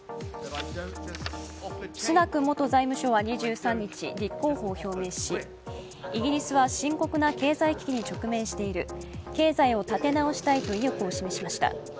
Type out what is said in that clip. スナク元財務相は２３日、立候補を表明しイギリスは深刻な経済危機に直面している、経済を立て直したいと意欲を示しました。